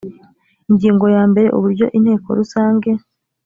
ingingo ya mbere uburyo inteko rusange